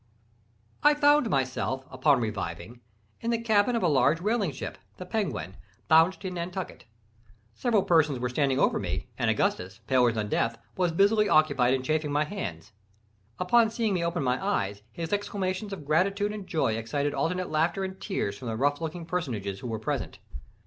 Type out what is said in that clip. I found myself, upon reviving, in the cabin of a large whaling ship (the Penguin) bound to Nantucket. Several persons were standing over me, and Augustus, paler than death, was busily occupied in chafing my hands. Upon seeing me open my eyes, his exclamations of gratitude and joy excited alternate laughter and tears from the rough looking personages who were present.